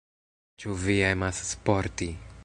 Ĉu vi emas sporti?